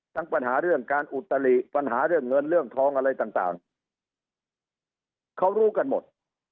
ปัญหาเรื่องการอุตลิปัญหาเรื่องเงินเรื่องทองอะไรต่างเขารู้กันหมด